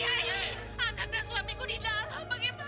anak dan suamiku di dalam